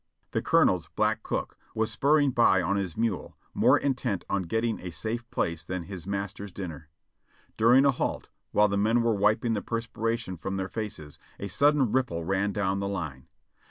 The colonel's black cook was spurring by on his mule, more intent on getting a safe place than his master's dinner. During a halt, while the men were wiping the perspiration from their faces, a sudden ripple ran down the line.